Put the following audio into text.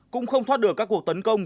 cũng không thoát được các cuộc tấn công